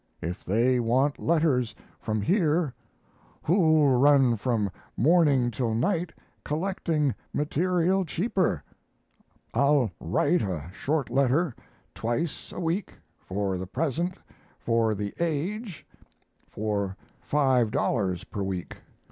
If they want letters from here who'll run from morning till night collecting material cheaper? I'll write a short letter twice a week, for the present for the 'Age', for $5 per week.